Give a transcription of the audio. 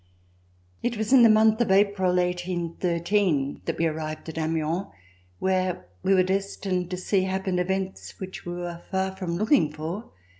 IT was in the month of April, 1813, that we arrived at Amiens where we were destined to see happen events which we were far from looking for.